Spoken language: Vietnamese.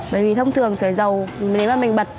bởi vì thông thường sửa dầu nếu mà mình bật